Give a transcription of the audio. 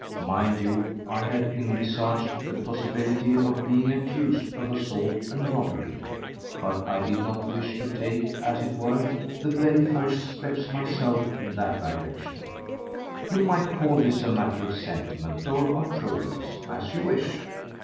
Mind you, I had envisaged the possibility of being accused of assault and robbery, but I did not wish to take, as it were, the very first steps myself in that direction. You might call this a matter of sentiment or of prudence, as you wish.